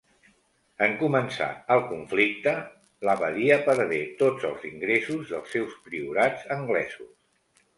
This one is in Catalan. En començar el conflicte, l'abadia perdé tots els ingressos dels seus priorats anglesos.